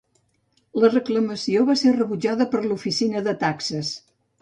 La reclamació va ser rebutjada per l'Oficina de Taxes.